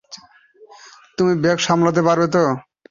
তুমি ব্যাগ সামলাতে পারবে তো?